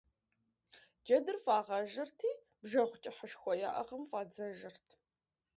Джэдыр фӏагъэжырти, бжэгъу кӏыхьышхуэ яӏыгъым фӏадзэжырт.